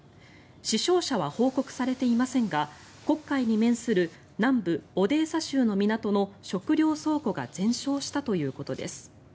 死傷者は報告されていませんが黒海に面する南部オデーサ州の港の食糧倉庫が全焼したということです。